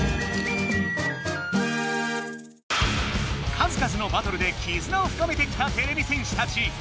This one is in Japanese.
かずかずのバトルできずなを深めてきたてれび戦士たち。